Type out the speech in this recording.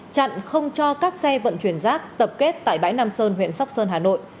chặn không cho các xe vận chuyển rác tập kết tại bãi nam sơn huyện sóc sơn hà nội